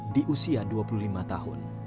di usia dua puluh lima tahun